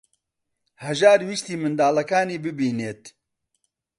هەژار ویستی منداڵەکانی ببینێت.